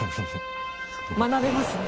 学べますね。